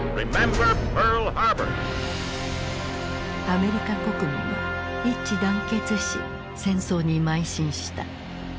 アメリカ国民は一致団結し戦争にまい進した。